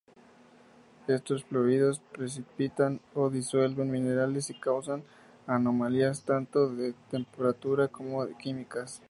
Estos fluidos precipitan o disuelven minerales y causan anomalías tanto de temperatura como químicas.